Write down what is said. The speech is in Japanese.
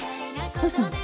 どうしたの？